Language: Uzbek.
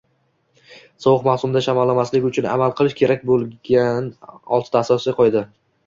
Sovuq mavsumda shamollamaslik uchun amal qilish kerak bo‘lganoltita oddiy qoida